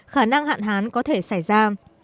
khả năng hạn hán có thể xảy ra